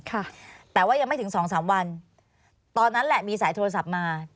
ค่ะแต่ว่ายังไม่ถึงสองสามวันตอนนั้นแหละมีสายโทรศัพท์มา